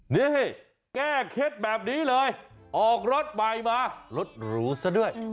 นี่แก้เคล็ดแบบนี้เลยออกรถใหม่มารถหรูซะด้วย